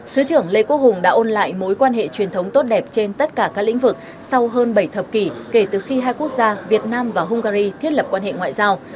thứ trưởng lê quốc hùng đã ôn lại mối quan hệ truyền thống tốt đẹp trên tất cả các lĩnh vực sau hơn bảy thập kỷ kể từ khi hai quốc gia việt nam và hungary thiết lập quan hệ ngoại giao